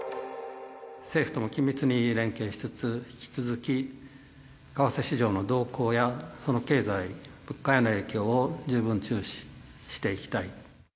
政府とも緊密に連携しつつ、引き続き為替市場の動向や、経済、物価への影響を十分注視していきたい。